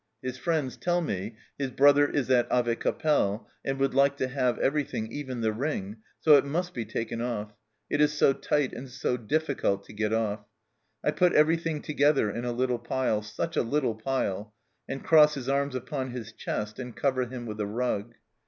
His friends tell me his brother is at Avecappelle, and would like to have everything, even the ring, so it must be taken off it is so tight and so difficult to get off. I put everything together in a little pile such a little pile and cross his arms upon his chest, and cover him with a rug.